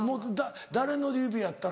誰の指やったら。